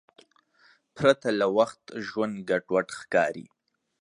پرته له وخت ژوند ګډوډ ښکاري.